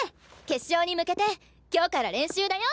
決勝に向けて今日から練習だよ！